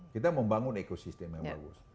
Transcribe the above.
kita membangun ekosistem yang bagus